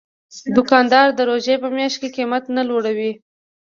دوکاندار د روژې په میاشت کې قیمت نه لوړوي.